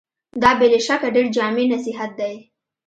دا بې له شکه ډېر جامع نصيحت دی.